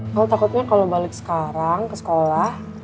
kalo takutnya kalo balik sekarang ke sekolah